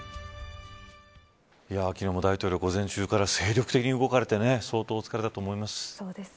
昨日も大統領午前中から精力的に動かれて相当、お疲れだと思います。